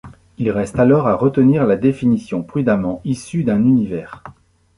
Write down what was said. Il reste alors à retenir la définition prudemment issue d’un univers.